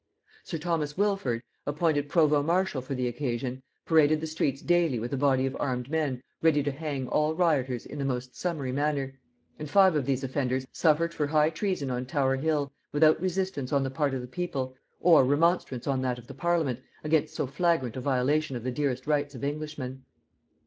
Sir Thomas Wilford, appointed provost marshal for the occasion, paraded the streets daily with a body of armed men ready to hang all rioters in the most summary manner; and five of these offenders suffered for high treason on Tower hill, without resistance on the part of the people, or remonstrance on that of the parliament, against so flagrant a violation of the dearest rights of Englishmen.